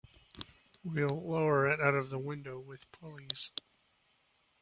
We'll lower it out of the window with pulleys.